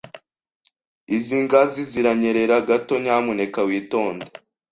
Izi ngazi ziranyerera gato, nyamuneka witonde.